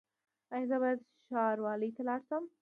ایا زه باید ښاروالۍ ته لاړ شم؟